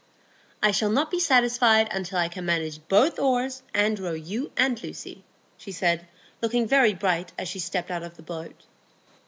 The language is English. "I shall not be satisfied until I can manage both oars, and row you and Lucy," she said, looking very bright as she stepped out of the boat.